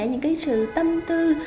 những câu hỏi rất đơn giản